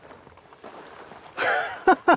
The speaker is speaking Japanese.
ハハハハハ！